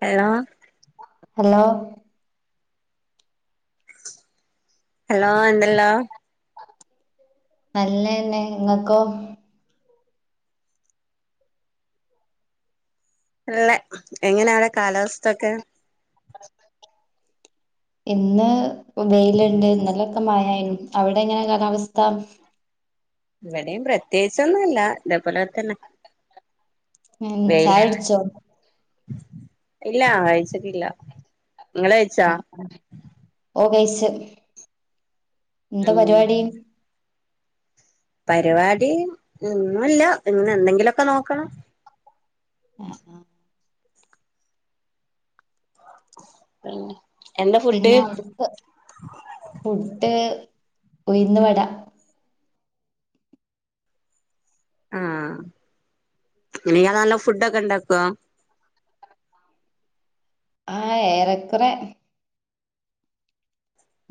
Hello hello hello എന്തല്ലാം നല്ലെന്നെ ഇങ്ങക്കോ നല്ലേ എങ്ങനെ അവിടെ കാലാവസ്ഥൊക്കെ ഇന്ന് വെയില്ണ്ട് ഇന്നലെക്കെമഴയെന്നു അവടെങ്ങനെ കാലാവസ്ഥ ഇവിടെയും പ്രത്യേകിച്ചൊന്നുംല്ല ഇതേപോലെക്കെ തന്നെ ഉം വെയിലന്നെ ചായുട്ച്ചോ ഇല്ല കഴിച്ചിട്ടില്ല നിങ്ങള് കഴിച്ചാ അ അ ഓകൈച്ച് എന്താ ഉം പരിപാടി പരിപാടി ഒന്നുല്ല ഇങ്ങനെ എന്തെങ്കിലൊക്കെ നോക്കണം അ അ [unintelligible] ഫുഡ് പിന്നെ അവിടുത്ത് ഫുട്ട് ഉയിന്ന് വട ആ ഇനി നല്ല ഫുഡൊക്കെ ഇണ്ടാക്കുവ ആ ഏറെക്കുറെ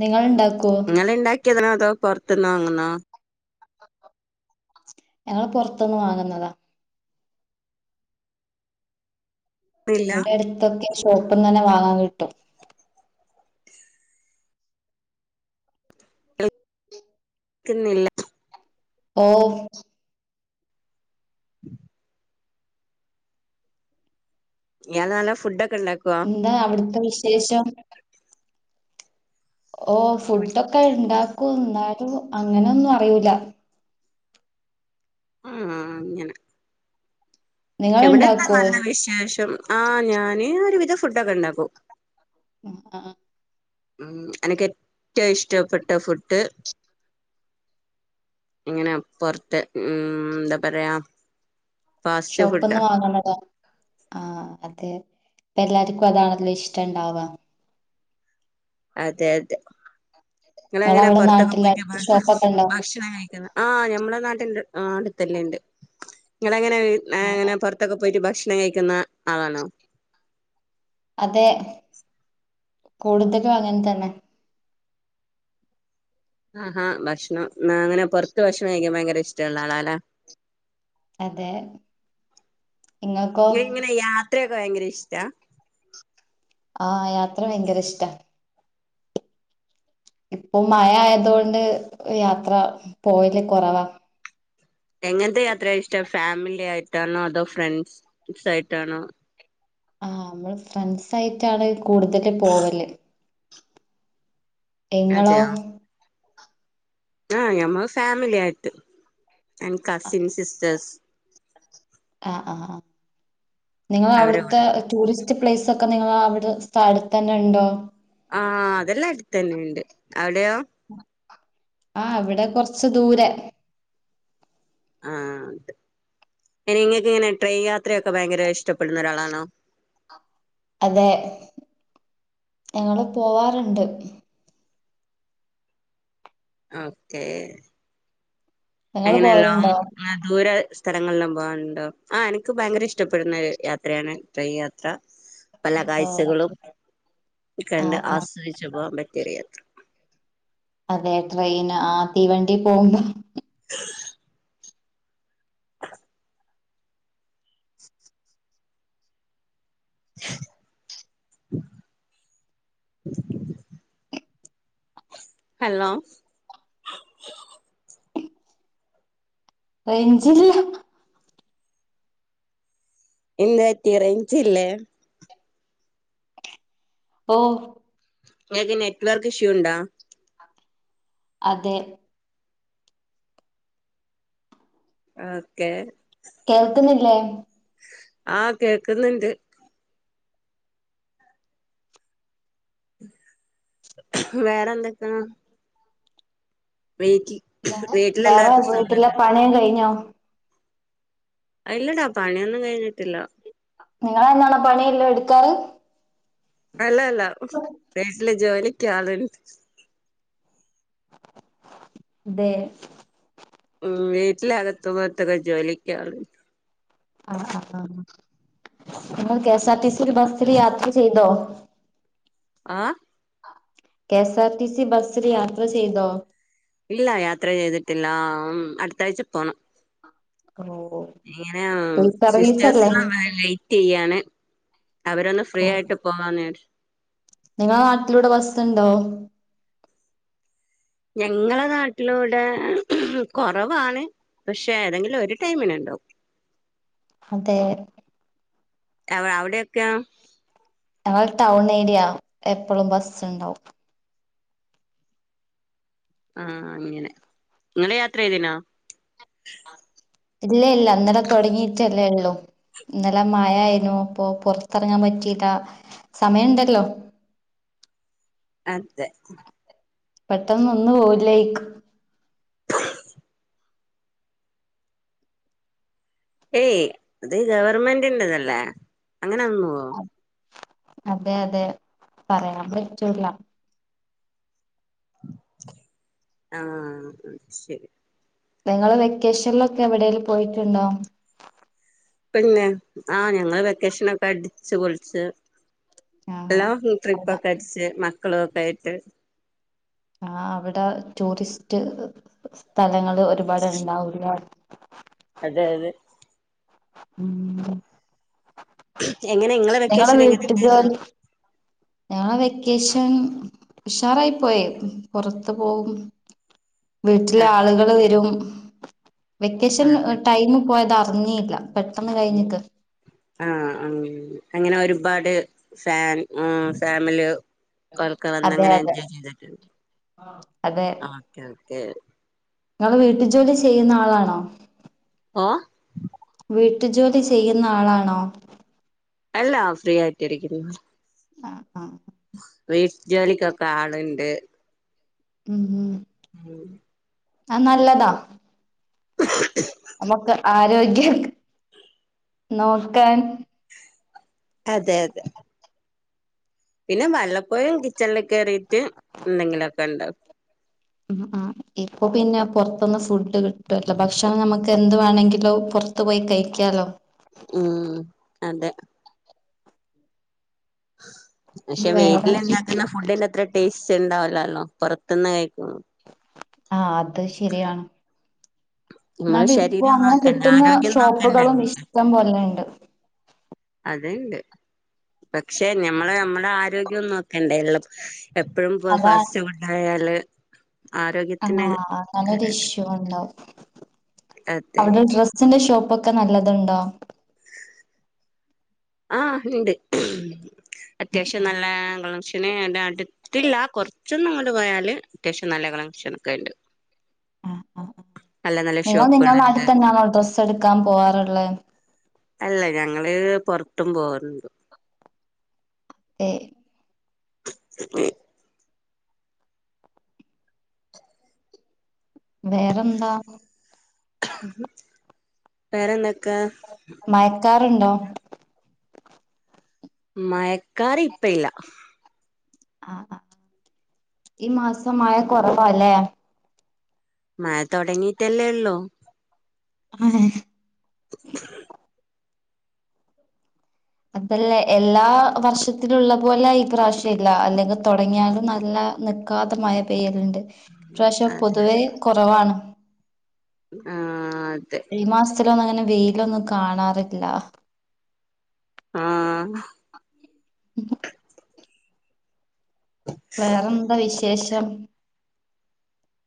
നിങ്ങൾ ഉണ്ടാക്കോ ഇങ്ങൾ ഇണ്ടാക്കിയതണെ അതോ പൊറത്തുന്ന് വങ്ങുന്നോ ഞങ്ങള് പൊറത്ത്ന്ന് വാങ്ങുന്നതാ ഇല്ല ഇവിടെ അടുത്തൊക്കെ ഷോപ്പിനെനെ വാങ്ങാൻ കിട്ടും ക്ക് ന്നില്ല ഓ [unintelligible] ഞാൻ നല്ല ഫുഡക്കെ എന്താ അവിടുത്തെ വിശേഷം ഓ ഫുഡൊക്കെ ഇണ്ടാക്കും എന്നാലും അങ്ങനെന്നും അറിയുല ആ ഹ അങ്ങനെ നിങ്ങൾ ഇവിടെന്താ ഉണ്ടാക്കോ നല്ല വിശേഷം ആഞാന് ഒരുവിധ ഫുഡൊക്കെ ഇണ്ടാക്കും അ ഹ ഹ ഉം എനക്ക് ഏറ്റവും ഇഷ്ടപ്പെട്ട ഫുഡ് ഇങ്ങനെ പുറത്ത് ഉം എന്താ പറയാ ഫാസ്റ്റ് ഷോപ്പിന്ന് ഫുഡാ വങ്ന്നതാ ആ അതെ ഇപ്പ എല്ലാർക്കും അതാണല്ലോ ഇഷ്ടം ഇണ്ടാവാ അതെ അതെ നിങ്ങൾ എങ്ങനാ നിങ്ങളവിടെ പൊറത്തൊക്കെ നാട്ടില് പോയിട്ട് അടുത്ത് ഷോപ്പൊക്കെ ഉണ്ടോ ഭക്ഷണം കഴിക്കുന്ന ആ ഞമ്മളെ നാട്ടിൽണ്ട് ആ അടുത്തല്ലേണ്ട് ആഹ് നിങ്ങളങ്ങനെങ്ങനെ ആഹ് പുറത്തൊക്കെ പോയിട്ട് ഭക്ഷ ക്ഷണം കഴിക്കുന്ന ആളാണോ അതെ കൂടുതലും അങ്ങനെ തന്നെ ആ ആ ഭക്ഷണം ന അങ്ങനെ പൊറത്ത് ഭക്ഷണം കഴിക്കൻ ഭയങ്കര ഇഷ്ട ഉുള്ള ആളാലേ അതെ ഇങ്ങക്കോ ഇങ്ങനെ യാത്രയൊക്കെ ഭയങ്കര ഇഷ്ടാ ആ യാത്ര ഭയങ്കര ഇഷ്ടാ ഇപ്പൊ മഴ ആയതുകൊണ്ട് യാത്ര പോവൽ കുറവാ എങ്ങനത്തെ യാത്ര ഇഷ്ടം ഫാമിലി ആയിട്ടാണോ അതോ ഫ്രണ്ട്സ്സ് ആയിട്ടാണോ ആ നമ്മള് ഫ്രണ്ട്സ ആയിട്ടാണ് കൂടുതല് പോവല് നിങ്ങളോ അതെയോ ആഹ് ഞമ്മള് ഫാമിലി ആയിട്ട് എൻ കസിൻ സിസ്റ്റേഴ്സ് ആ ആ ആ അവരെ നിങ്ങളവിട്ത്തെ വീട് ടൂറിസ്റ്റ് പ്ലേസ് ഒക്കെ നിങ്ങള അവിടെ സ്ഥലത്ത് തന്നെ ഉണ്ടോ ആഹ് അതെല്ലാം അടുത്തന്നെണ്ട് അവിടെയോ ആഹ് ഇവിടെ കൊറച്ച് ദൂരെ ആഹ് അതെ ഇനി ഇങ്ങൾക്ക് ഇങ്ങനെ ട്രെയിൻ യാത്രയൊക്കെ ഭയങ്കര ഇഷ്ടപ്പെടുന്ന ഒരാളാണോ അതെ. ഞങ്ങള് പോവാറുണ്ട് ഓക്കേ നിങ്ങള് അങ്ങനെയല്ലാ പോവലുണ്ടോ? ദൂരെ സ്ഥലങ്ങളെല്ലാം പോവാനുണ്ടോ ആ എനിക്ക് ഭയങ്കര ഇഷ്ടപ്പെടുന്ന ഒരു യാത്രയാണ് ട്രയി യാത്ര പല ഓ കാഴ്ചകളും കണ്ട് ആഹ് ആഹ് ആസ്വദിച്ചു പോകാൻ പറ്റിയൊരു യാത്ര അതെ ട്രെയിൻ. ആ തീവണ്ടീ പോവുമ്പം [unintelligible] ഹലോ റെയ്ഞ്ചില്ല എന്ത് പറ്റി റെയ്ഞ്ചില്ലേ ഓ ഇങ്ങക്ക് നെറ്റ്വർക്ക് ഇഷ്യൂ ഉണ്ടോ അതെ ഓക്കെ കേൾക്കുന്നില്ലേ ആഹ് കേക്കുന്നുണ്ട് വേറെന്തൊക്ക ണ് വേറെ. [unintelligible] വേറെ വീട്ടിലെല്ലാർക്കും സുഖല്ലേ വീട്ടിലെ പണിയം കഴിഞ്ഞോ ഇല്ലടാ പണിയൊന്നും കഴിഞ്ഞിട്ടില്ല നിങ്ങളെന്നാണോ പണിയല്ലതും എടുക്കാറ് അല്ല അല്ല വീട്ടില് ജോലിക്ക് ആള്ണ്ട് ദേ ഉം വീട്ടില് അകത്തും മത്തൊക്കെ ജോലിക്കാള്ണ്ട് ആ ആ ആ നിങ്ങൾ കെ എസ് ആർടി സി ഒരു ബസ്സിൽ യാത്ര ചെയ്തോ ആഹ് K S R T C ബസ്സിൽ യാത്ര ചെയ്തോ ഇല്ല യാത്ര ചെയ്തിട്ടില്ല. ആ ആം അടുത്താഴ്ച പോണം ഓ ഇങ്ങനെ ഫ്രീ സിസ്റ്റേഴ്സ് സർവീസല്ലേ? [unintelligible] വെയിറ്റ് ചെയ്യാണ് അവരൊന്ന് ഫ്രീ ആയിട്ട് പോവാന്ന് വിചാര് നിങ്ങള നാട്ടിലൂടെ ബസ്സുണ്ടോ ഞങ്ങളെ നാട്ടിലൂടെ കൊറവാണ് പക്ഷേ ഏതെങ്കിലും ഒരു ടൈമിന് ഉണ്ടാവും അതെ അവ അവിടെയൊക്കെ ങൾ ടൗൺ ഏരിയ എപ്പളും ബസ് ഉണ്ടാവും ആഹ് അങ്ങനെ. നിങ്ങള് യാത്ര ചെയ്തീനോ ഇല്ല ഇല്ല ഇന്നലെ തുടങ്ങിട്ടല്ലേ ഉള്ളൂ ഇന്നല മഴായ്നു. അപ്പൊ പൊറത്തറങ്ങാൻ പറ്റീല്ല. സമയംണ്ടല്ലോ അതെ പെട്ടെന്നൊന്നു പോവ്ല്ലൈക്ക് ഏയ് അത് ഗവർമെന്റിറതല്ലേ അങ്ങനെൊന്നോ അതെ അതെ പറയാം വിച്ചൂലാം ആഹ ശരി നിങ്ങള് വെക്കേഷനിലൊക്കെ എവിടെേിലും പോയിട്ടുണ്ടോ പിന്നെ ആഹ ഞങ്ങള്ൾ വെക്കേഷന ഒക്കെ അടിച്ചു പൊളിിച്ചു ആഹ് ലോങ് അതാ ട്രിപ്പൊക്കെ അടിച്ച് മക്കളുംൊക്കെ ആയിട്ട് ആ അവിടെ ടൂറിസ്റ്റ് സ്ഥലങ്ങള്ൾ ഒരുപാട് ഉണ്ടാവില്ല അതത് ഉം എങ്ങനെ ഇങ്ങളെ ഞങ്ങളെ വെക്കേഷൻ എങ്ങനെ വീട്ടു ഉണ്ടായിരുന്നു ജോലി ഞങ്ങളെ വെക്കേഷൻ ഉഷാറായി പോയ പുറത്ത് പോകവും ആ വീട്ടിലെ ആളുകൾ വരും വെക്കേഷൻ അതെ ടൈമ പോയത് അറിഞ്ഞയില്ല പെട്ടെന്ന് കഴിഞ്ഞിട്ട് ആ ഉ അങ്ങനെ ഒരുപാട് ഫാൻ ഫാമില് കൊക്ക വന്ന് അതെ അങ്ങനെ അതെ എൻജോയ് ചെയ്തിട്ട ഓ ഓെ നിങ്ങള്െ വീട്ടു ജോലി ചെയ്യുന്ന ആളാണോ ആഏ വീട്ടു ജോലി ചെയ്യുന്ന ആളാണോ അല്ലാ ഫ്രീ ആയിട്ടരിക്കുന്ന ആഹ് ആഹ് വീട്ട ജോലിക്കൊക്കെ ആളണ്ട് ഉം ഉം ഉം ആ നല്ലതാ നമുക്ക് ആരോഗ്യം നോക്കാൻ അതെ അതെ പിന്നെ വല്ലപ്പോഴും കിച്ചണില് കയറിീട്ട് എന്തെങ്കിലുമൊക്കെ ഉണ്ട ആ ഇപ്പൊ പിന്നെ പുറത്തൊന്ന് ഫുഡ് കിട്ടുവല്ലോ ഭക്ഷണം നമ്മുക്ക് എന്ത് വേണമെങ്കിലോ പുറത്തു പോയി കഴിക്കാലോ ഉം അതെ പക്ഷെ വേറെ വീട്ടില ഇണ്ടാക്കുന്ന ഫുഡിന്റെ അത്ര ടേസ്റ്റ് ഉണ്ടാവലല്ലോ പുൊറത്തന്ന കഴിക്കും ആഹ അത് ശരിയാണ് നമ്മളെ എന്നാല ഇപ്പോൊ ശരീരം അങ്ങനെ നോക്കണ്ടേ കിട്ടുന്ന ആരോഗ്യം നോക്കണ്ടേ ഷോപ്പുകളും നമുക്ക് ഇഷ്ടം പോലെുണ്ട് അതണ്ട് പക്ഷെ നഞമ്മള് നമ്മടെ ആരോഗ്യംൊന്നും നോക്കണ്ട എള്ളം എപ്പോഴും അതാ ഫാസ്റ്റ് ഫുഡായാല് ആഹ നല്ലൊരു ഇഷ്യൂ ഉണ്ടാവും അതെ അവിടെ ഡ്രെസ്സിന്റെ ഷോപ്പ ഒക്കെ നല്ലതുണ്ടോ [inaudible] ആഹ് ഉണ്ട് ഉം അത്യാവശ്യം ഉം നല്ലളം ഭക്ഷ എ അടുത്തില്ല കുറച്ചൊന്നും അങ്ങോ് പോയാല് അത്യാവശ്യം നല്ല കണക്ഷണ ഒക്ക ഉണ്ട് ആ നല്ല നല്ല നിങ്ങൾ നിങ്ങള ഷോപ്പുകളുണ്ട് നാട്ടിൽ തന്നൊണോ ഡ്രസ് എടുക്കാൻ പോവാാറുള്ളത് അല്ല ഞങ്ങള് പൊറട്ടും പോകറണ്ടണ്ട് [inaudible] ഏ വേറെന്താ വേറെന്താ മയക്കാറുണ്ടോ മയക്കാറി ഇപ്പയില്ല ആ ഈ മാസ മഴ കുറവാല്ലേ മയ തൊടങ്ങീട്ടല്ലെള്ളൂ... അഹെ... [unintelligible] അതല്ലേ എല്ലാ വർഷത്തിലുള്ളപോലെ ഈ പ്രാവശ്യല്ല അല്ലെങ്കി തൊടങ്ങിയാലും നല്ല നിക്കാത മയ പെയ്യല്ണ്ട് ഇപ്രാവശ്യം അതെ പൊതുവെ കുറവാണ് ആ... തെ ഇന്നൊന്നങ്ങനെ വെയിലൊന്നും കാണാറില്ല ആ..... ഹ് ഉം.... വേറെന്ത വിശേഷം..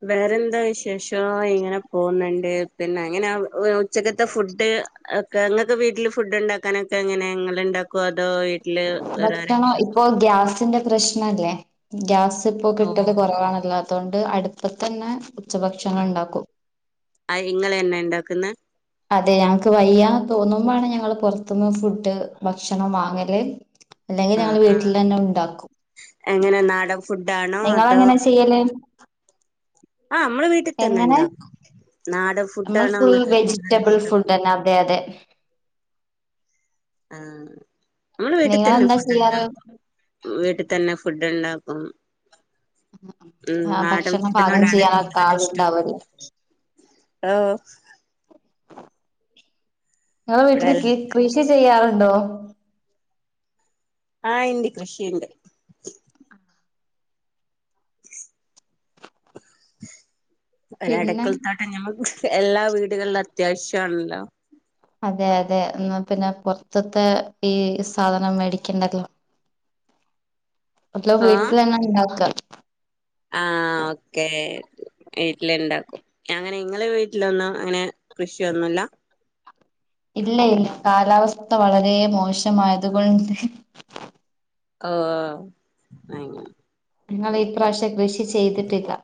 വേറെന്തവിശേഷോ... ഇങ്ങനെ പോവുന്ന്ണ്ട് പിന്നെ അങ്ങനെവ്.. ഉച്ചക്കത്തെ ഫുഡ്.... ഒക്കെ ഇങ്ങക്ക് വീട്ടിൽ ഫുഡ് ഉണ്ടാക്കാനൊക്കെ എങ്ങനെ ഇങ്ങള്ണ്ടാ ക്കോ... അതോ വീട്ടില് ഭക്ഷണം വേറാരെങ്കിലും ഇപ്പൊ ഗ്യാസിന്റെ പ്രശ്നല്ലേ ഗ്യാസിപ്പൊ കിട്ടല് ഓഹ് കുറവാണല്ലോ അതോണ്ട് അടുപ്പത്തന്നെ ഉച്ചഭക്ഷണം അ. ഉണ്ടാക്കും ആരിഇങ്ങളെന്നേ ഇണ്ടാക്ക്ന്നേ അതെ ഞങ്ങക്ക് വയ്യാന്ന് തോന്നുമ്പഴാണ് ഞങ്ങള് പൊറത്ത്ന്ന് ഫുഡ് ഭക്ഷണം വാങ്ങല് ആഹ് അല്ലെങ്കിരാള് ആഹ് വീട്ടിലെന്നെ ഉണ്ടാക്കും എങ്ങനെ നാടൻ ഫുഡാണോ അതോ നിങ്ങളെങ്ങനാ ചെയ്യല്? ആ.. അമ്മ്ള് വീട്ടി എങ്ങനെ തന്നെണ്ടാക്കും നാടൻ നമ്മൾ ഫുഡാണോ ഫുൾ ഇങ്ങക്ക് വെജിറ്റബിൾ കൂടുതലിഷ്ടം ഫുഡന്നെ അതെ അതെ ആ.. അമ്മള് വീട്ടിൽ തന്നെ നിങ്ങളെന്താ ചെയ്യാറ് ഫുഡുണ്ടാക്കും വീട്ടിൽ തന്നെ... ഫുഡ്ണ്ടാക്കും. ഉം.. ആഹ് നാടൻ ഭക്ഷണം പാകം ഫുഡിനോടാണോ ചെയ്യാനൊക്കെ കൂടുതലിഷ്ടം ആളുണ്ടാവല്ലോ ആ.... ഇങ്ങളെ ഇവിടെ വീട്ടില് കി എല്ലാം കൃഷി ചെയ്യാറുണ്ടോ? ആ.... ഇണ്ട് കൃഷിണ്ട് [unintelligible] പിന്നെ ഒരടക്കൽത്തോട്ടം ഞമ്മക്ക് എല്ലാ വീട്കളിലും അത്യാവശ്യാണല്ലോ.. അതെയതെ എന്നാപിന്നെ പൊറത്ത്ത്തെ ഈ.. സാധനം മേടിക്കണ്ടല്ലോ.. ത്‌ ആ വീട്ടിലെന്നാണ്ടാക്കാ... ആ... ഓക്കേ.... വീട്ടിലിണ്ടാക്കും എങ്ങനെ ഇങ്ങളെ വീട്ടിലൊന്നും അങ്ങനെ കൃഷി ഒന്നൂല്ലാ... ല്ലാ... ഇല്ലയില്ല കാലാവസ്ഥ വളരേ.. മോശമായതുകൊണ്ട് ഓ.... ന്നങ്ങനെ ഞങ്ങളീപ്രാവശ്യം കൃഷി ചെയ്തിട്ടില്ല.